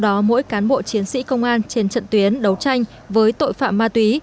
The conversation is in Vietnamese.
do đó mỗi cán bộ chiến sĩ công an trên trận tuyến đấu tranh với tội phạm ma túy